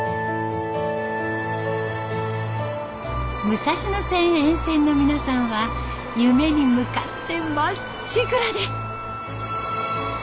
武蔵野線沿線の皆さんは夢に向かってまっしぐらです。